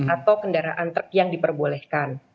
atau kendaraan truk yang diperbolehkan